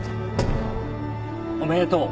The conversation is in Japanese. おめでとう。